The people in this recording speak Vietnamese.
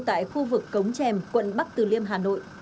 tại khu vực cống trèm quận bắc từ liêm hà nội